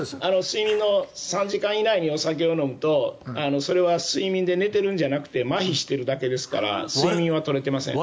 睡眠の３時間以内にお酒を飲むとそれは睡眠で寝てるんじゃなくてまひしているだけですから睡眠は取れていません。